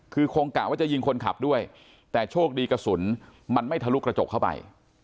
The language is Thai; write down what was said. คือคงกะว่าจะยิงคนขับด้วยแต่โชคดีกระสุนมันไม่ทะลุกระจกเข้าไป